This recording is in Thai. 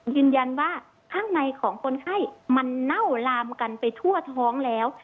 ยืนยันว่าข้างในของคนไข้มันเน่าลามกันไปทั่วท้องแล้ว